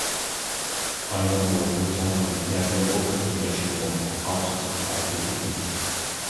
ئاينۇرمۇ بۇ توڭنىڭ مىجەزىنى ئوبدان بىلگەچكىمۇ ئارتۇقچە ئىپادە بىلدۈرمىدى.